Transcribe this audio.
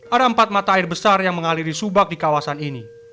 ada empat mata air besar yang mengaliri subak di kawasan ini